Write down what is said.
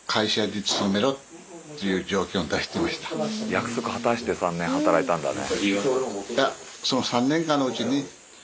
約束果たして３年働いたんだね。